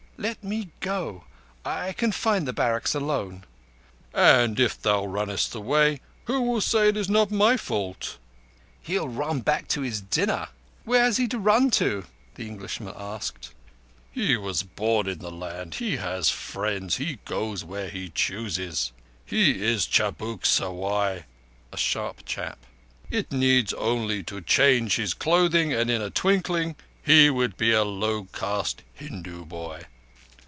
"Let me go. I can find the barracks alone." "And if thou runnest away who will say it is not my fault?" "He'll run back to his dinner. Where has he to run to?" the Englishman asked. "He was born in the land. He has friends. He goes where he chooses. He is a chabuk sawai (a sharp chap). It needs only to change his clothing, and in a twinkling he would be a low caste Hindu boy."